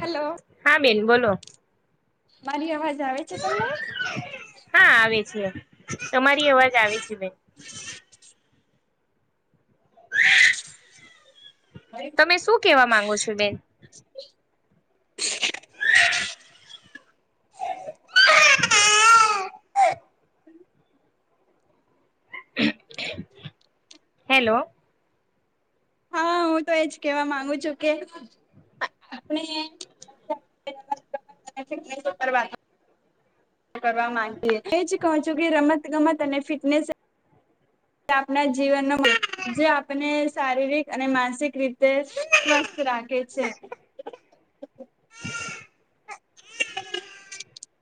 Hello હા બેન બોલો મારી અવાજ આવે છે તમને હા આવે છે તમારી અવાજ આવે છે બેન તમે શું કેવા માંગો છો બેન [inaudible] [inaudible] હેલો હા હું તો એજ કેવા માંગુ છું કે [unintelligible] કરવા માંગ એજ કહો છું કે રમત ગમત અને ફિટનેસ આપણા જીવનનો જે આપને શારીરિક અને માનસિક રીતે સ્વસ્થ રાખે છે. [inaudible]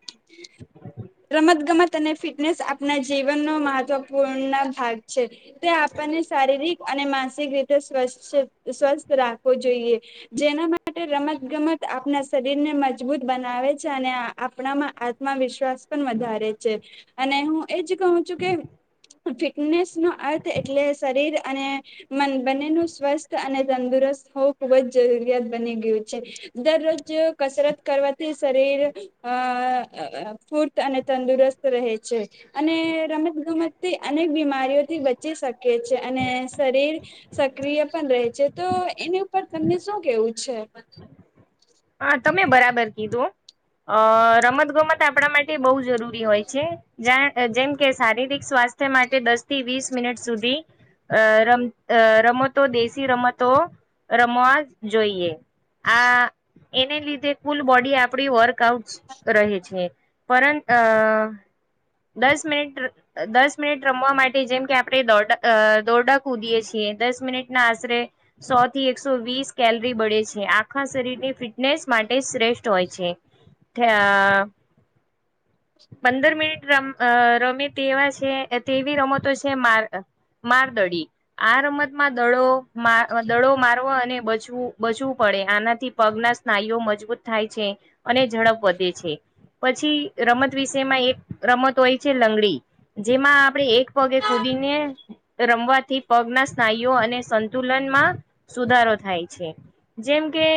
[inaudible] રમત ગમત અને ફિટનેસ આપના જીવનનો મહત્વપૂર્ણ ભાગ છે તે શારીરિક અને માનસિક રીતે સ્વ સ્વસ્થ રાખવો જોઈએ જેના માટે રમત ગમત આપણા શરીર ને મજબૂત બનાવે છે અને આપણામાં આત્મવિશ્વાસ પણ વધારે છે અને હું એજ કહું છું કે ફિટનેસ નો અર્થ એટલે શરીર અને મન બંને ન સ્વસ્થ અને તંદુસ્ત હોવું ખુબ જ જરૂરિયાત બની ગયું છે દરરોજ કસરત કરવાથી શરીર હા હ અ ફુર્ત અને તંદુરસ્ત રહે છે અને રમત ગમતથી અનેક બીમારીઓ બચી શકે છે અને શરીર સક્રિય પણ રહે છે તો એની ઉપર તમને શું શું કેવું છે. હા તમે બરાબર કીધું અ રમત ગમત આપણા માટે બહુ જરૂરી હોય છે જે જેમ કે શારીરિક સ્વાસ્થ સ્વાસ્થ્ય માટે દસ થી વીસ મિનિટ સુધી અ રમ રમતો દેશી રમતો રમવા જોઈએ હ એને લીધે કુલ બોડી આપણી વર્કઆઉટ રહે છે પરંત દસ મિનિટ દસ મિનિટ રમવા માટે જેમ કે આપણે દોડા દોરડા કૂદીએ છીએ દસ મિનિટના આશરે સો થી એકસો વીસ કેલરી બળે છે આખા શરીરની ફિટ ફિનેસ માટે શ્રેષ્ઠ હોય છે પંદર મિનિટ રમ રમે તેવા છે તેવી રમતો છે માર મારદડી આ રમતમાં દડો દડો મારવા અને બચવું બચવું પડે આનાથી પગના સ્નાયુઓ મજબૂત થાય છે અને ઝડપ વધે છે પછી રમત વિષમાં એક રમત હોય છે લંગડી જેમાં આપણે એક પગે કૂદીને રમવાથી પગના સ્નાયુઓ અને સંતુલનમાં સુધારો થાય છે જેમ કે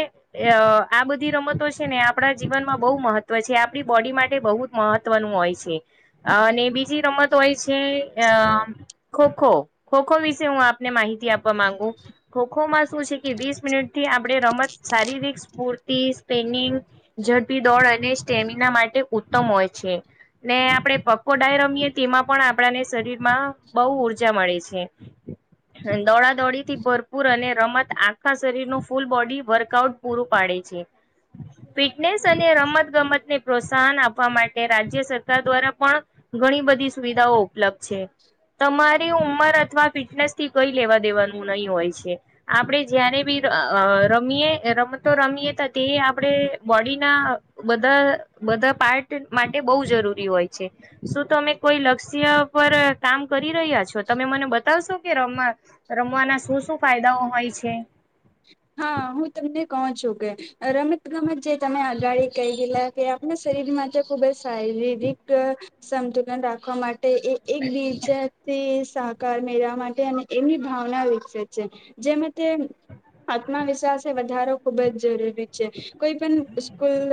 આ બધી રમતો છે ને આપણા જીવનમાં બહુ મહત્વ છે આપણી બોડી માટે માટે બહુ જ મહત્વનું હોય છે અને બીજી રમત હોય છે અ ખોખો ખોખો વિશે હું આપને માહિતી આપવા માંગુ ખોખોમાં શ છે કે વીસ મિનિટ થી આપણે રમત શારીરિક સ્ૂર્તિ સ્પિનિંગ ઝડપી દોડ અને સ્ટેમિના માટે ઉત્તમ હોય છે ને આપણે પક્કો ડાય રમીએ તેમાં પણ આપડાને શરીર માં બહુ ઉઊર્જા મળે છે દોડા દોડી થી ભરપૂર અને રમત આખા શરીર ન ફૂલ બોડી વર્કઆઉટ પૂરું પાડે છે ફિટનેસ અને રમત ગમતને પ્રોત્સાહન આપવા માટે રાજ્ય સર સર દ્વારા પણ ઘણી બધી સુવિધાઓ ઉપલબ્ધ છે તમારે ઉમર અથવા ફિટનેસ થી કઈ લેવા દેવાનું નહીં હોય છે આપણે જયારે બી રમીએ રમતો રમીએ ત તે આપણેે બોડીના બધા બધા પાર્ટ માટે બહુ જરૂરી હોય છે શું તમે કોઈ લક્ષ્ય પર કામ કરી રહ્યા છો તમે મને બતાવશો કે રમવા રમવાના શું શું ફાયદાઓ હોય છે હા હું તમને કહો છું કે રમત ગમત જે તમે આગાડી કઈ ગયેલા કે શરીર માં ખૂબ શારીરિક સંતુલન રાખવા માટે એ એક બીજાથી સહકાર મેળવા માટે અને એમની ભાવના વિકસિત છે જેમાં તે આત્મવિશ્વાસ એ વધારો ખુબ જ જરૂરી છે કોઈ પણ સ્કૂલ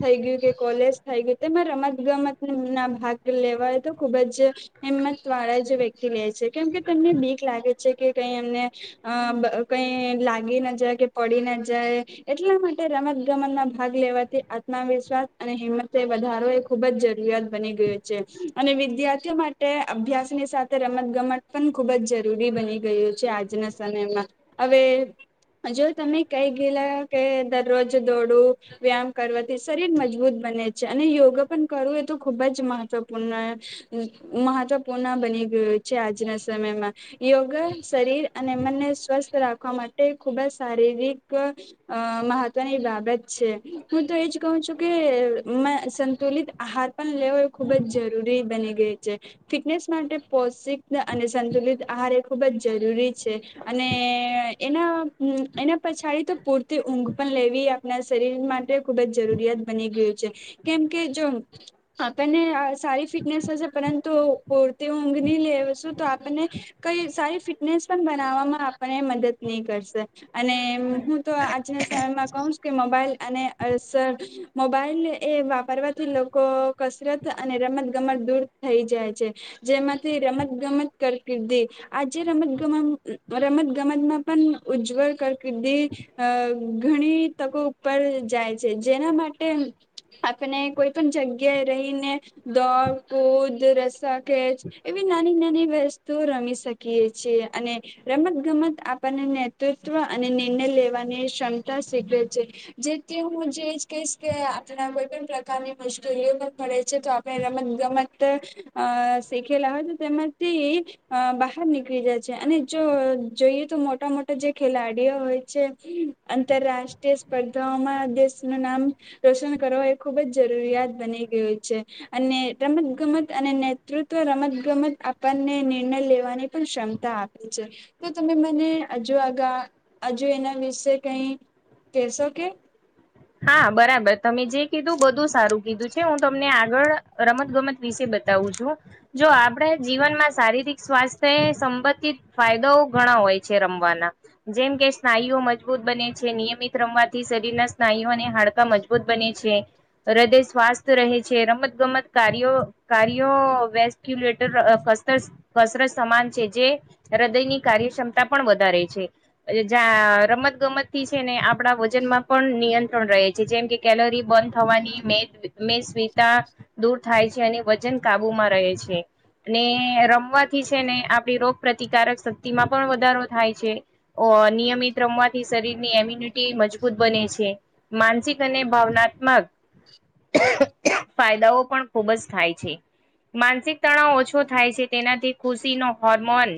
થઈ ગયું કે કોલેજ થઈ ગયું તેમાં રમત ગમત ના ભાગ લેવાય તો ખુબજ હિંમત વાળા વ્યક્તિ લે છે કેમ તેમને બીક લાગે છે કે કઈ એમને કઈ ી ના જાય કે પડી ના જાય એટલા માટે રમત ગમતમાં ભાગ લેવાથી આત્મવિશ્વાસ અને હિંમતે વધારો એ ખુબ જ જરૂરિયાત બની ગયો છે અને વિદ્યાર્થીઓ માટે અભ્યાસની સાથે રમત ગમત પણ ખૂબ જ જરૂરી બની ગયું છે આજના સમયમાં હવે જો તમે કઈ ગયેલા કે દરરોજ દોડું વ્યાયામ કરવાથી શરીર મજબૂત બને છે અને યોગા પણ કરવું એ તો ખુબ જ મહત્વપૂર્ણ મહત્વપૂર્ણ બની ગય છે આજના સમયમાં યોગ શરીર અને મનને સ્વસ્થ રાખવા માટે ખુબ જ શારીરિક મહત્વની બાબત છે હું તો એજ કહું છું કે સંતુલિત આહાર પણ લેવો એ ખુબ જ જરૂરી બની ગઈ છે ફિટનેસ માટે પૌષિક અને સંતુલિત આહાર એ ખૂબ જ જરૂરી છે અને એના એના પછાડી તો પૂરતી ઊંઘ પણ લેવી આપના શરીર માટે ખુબ જ જરૂરિયાત બની ગયું છે કેમ કે જો આપણને સારી ફિટનેસ હશે પરંતુ ર ઊંઘની લે છું તો આપણને કઈ સારી ફિટનેસ પણ બનાવવામાં આપને મદદ નહી કરશે અને હું તો આજના સમયમાં કહું છ કે મોબાઈલ અને અ સર મોબાઈલ એ વાપરવાથી લોકો કસરત અને રમત ગમત દૂર થઈ જાય છે જેમાંથી રમત ગમત કારકિર્દી આજે રમતગમત રમત ગમતમાં પણ ઉજ્જવલ કકિર્દી ઘણી તકો ઉપર જાય છે જેના માટે માટે આપણે કોઈ પણ જગ્યાએ રહીને દ કોદ રસક એવી નાની નાની વસ્તુ રમી શકીએીએ અને રમત ગમત નેતૃત્વ અને નિર્ણય લેવાની ક્ષમતા સીગવે છે જેથી હું જે કે આપણે કોઈ પણ પ્રકારની મુશ્કેલીઓમાં મળે છે તો આપણે રમત ગમત શીખેલા હોય તો તેમાંથી બહાર નીકળી જાય છે અને જો જોઈએ તો મો મોટા મોટા જે ખેલાડીઓ હોય છે આંતરરાષ્ટ્રીય સ્પર્ધાઓમાં દેશનું નામ રોશન કર એ ખૂબ જ જરૂરિયાત બની ગયું છે અને રમત ગમત અને નેતૃત્વ રમત ગમત આપવાને નિર્ણય લેવાની પણ ક્ષમતા આપે છે તો તમે મને હજુ આગા હજુ એના વિશે કઈ કશો કે હા બરાબર તમે જે કીધું બધું સારું કીધું છે હું તમને આગળ રમત ગમત વિશે બતાવું છું જો આપણે જીવનમાં શારીરિક સ્ સ્ સંબંધિત ફાયદાઓ ઘણા હોય છે રમવાના જેમ કે સ્નાયુઓ મજબૂત બ છે નિયમિત રમવાથી શરીરના સ્નાયુઓ અને હાડકા મજબૂત બને છે હૃદય સ્વાસ્થ રહે છે રમત ગમત કાર્યો કાર્યો વેસ્ક્યુલેટર રત સમાન છે જે હૃદયની કાર્યક્ષમતા પણ વધારે છે રમત ગમત થી છે ને આપણા વજન માં પણ નિયંત્રણ રહે છે જેમ કે કેલોરી બર્ન થવાની મે સ્વતા દૂર થાય છે અને વજન કાબુમાં રહે છે ને રમવાથી છે ને આપડી રોગ પ્ર્રતિકારક શક્તિ માં પણ વધારો થાય છે નિયમિત રમવાથી શરીર ની ઇમ્યુનિટી મજબૂત બને છે માનસિક અને ભાવનાત્મક ફાયદાઓ પણ ખુબ જ થાય છે માનસિક તણાવ ઓછો થાય છે તેનાથી ખુશીનો હોર્મોન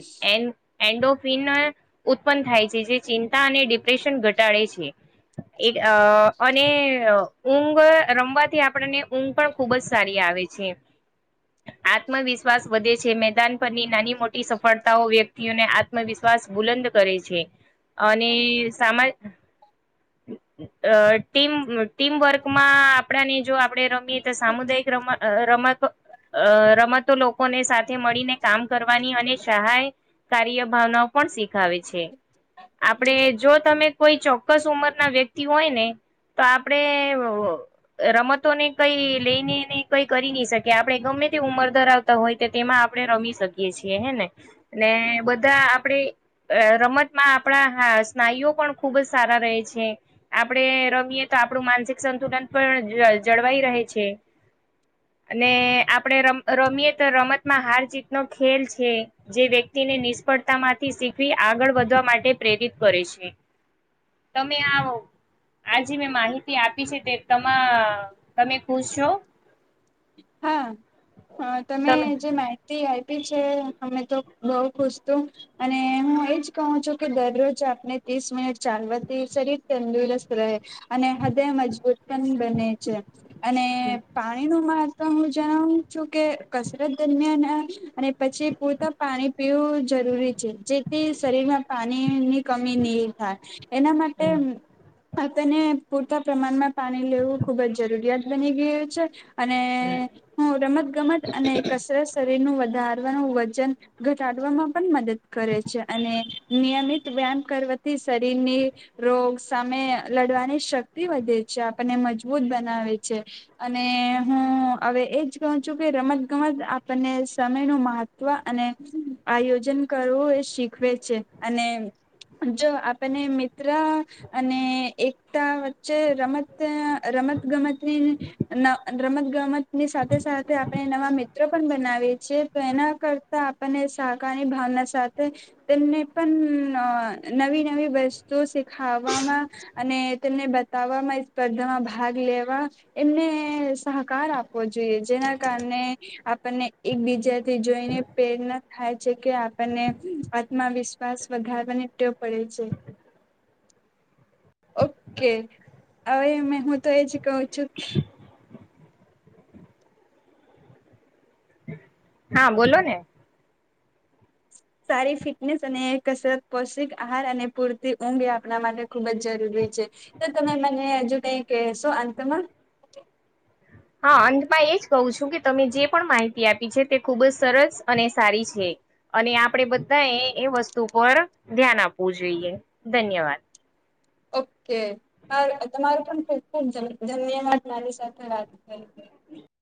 એન્ડોફન ઉત્પન્ન થાય છે જે ચિંતા અને ડિપ્રેશન ઘટાડે છે એક અને ઊંઘ રમવાથી આપણને ઊંઘ પણ ખુબ જ સારી આવે છે ખેબ આત્મવિશ્વાસ વધે છે મેદાન પરની નાની મોટી સફળતાઓ વ્યક્તિઓને આત્મવિશ્વાસ બુલંદ કરે છે અને સામા અ ટીમ ટીમવર્કમાં આપણાને જો આપડે રમ તો સામુદાયિક રત રમત અ રમતો લોકોને સાથે મળીને કામ કરવાની અને સહાય કાર્ય ભાવના પણ શીખાવે છે આપડે જો તમે કોઈ ચોક્કસ ઉંમર ના વ્યક્તિ હોય ને તો આપણેે રમતોને કઈ લઈને નહી કઈ કરી નહી શકી આપડણે ગમે મેથી ઉંમર ધરાવતા હોય તો તેમાં આપણે રમી શકીએ છીએ હે ને અને બધા આપણે અ રમતમાં આપણાા સ્નાયુઓ પણ ખુબ જ સારા રહે છે આપણે રમીએ તો આપડું માનસિક સંતુલન પણ જળવાઈ રહે છે અને આપડે રમ રમીએ તો રમતમાં હાર ચીતનોો ખેલ છે જે વ્યક્તિને નિષ્ફળ માંથી શીખવી આગળ વધવા માટે પ્રેરિત કરે છે તમે આ આજે મેં માહિતી આપી છે તે ત તમે ખુછ છો હા તમે જે માહિતી અમે તો બઉ ખુશ છું અને હું એજ કહું છું કે દરરોજ આપને ત્રીસ મિનિટ ચાલવાથી સરી તંદુરસત રહે અને હદય મજબૂત પણ બને છે અને હમ પાણી ન મા તો હું જણાવું છું કે કસરત દરમિયાન અને પછી પૂરતા પાણી પીવું જરૂરી છે જેથી શરીર માં પાણી ની કમી નહી થાય એના માટે હમ તેને પૂરતા પ્રમાણમાં પાણી લેવું ખુબ જ જરૂરિયાત બની ગયું છે અને હું રમત ગમત અને કસરત શરીર નું ારવાનું વજન ઘટાડવામાં પણ મદદ કરે છે અને નિયમિત વ્યામ કરવા થી શરીરની રોગ સામે લડવાની શક્તિ વધે છે આપણને મજબૂત બના બવે છે અને હું હમ હવે એજ કહું છું કે રમત ગમત આપણને સમય નું મહત્વ અને આયોજન કરવું એ શીખવે છે અને જો આપને મિત્ર અને એકતા વચ્ચે રમત ગમત ગમત રમત ગમત ની સાથે સાથે આપણે નવા મિત્રો પણ બનાવીએ છીએ તો એના કરતા આપને કારની ભાવના સાથે તેમને પણ નવી નવી વસ્તુ ખાવામાં અને તેમને બતાવવામાં સ્પર્ધામાં ભાગ લેવા એમને સહકાર આપવો જોઈએ જેના કારણે આપણને એકબીજાથી જોઈને પ્રેરણા થાય કે આપણને આત્મવિશ્વાસ વધારવાની પડે છે [inaudible] ઓકે હવે હું તો એજ કહ છું હા બોલો ને સારી ફિટનેસ અને કસરત પૌષ્ટિક આહાર અને પૂરતી ઊંઘ એ આપણા માટે ખુબ જ જરૂરી તો તમે મને હજુ ક કશો અંતમાં હ હા અંતમાં એ જ કહઉ છું કે તમે જે પણ માહિતી આપી છે તે ખૂબ જ સરસ અને સારી છે અને આપણેે બધાએ એ વસ્તુ પર ધ્યાન આપવું જોઈએ ધન્યવાદ ઓકે તમારો પણ ખબબ ધન્યવાદ મારી સાથે વાત કરી હ